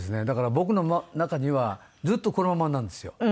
だから僕の中にはずっとこのままなんですよ。